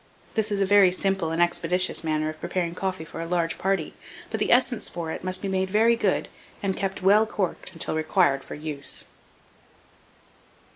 This is a very simple and expeditious manner of preparing coffee for a large party, but the essence for it must be made very good, and kept well corked until required for use.